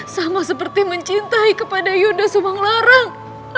sama seperti mencintai kepada yudha subaularang